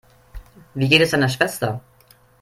Wie geht es deiner Schwester?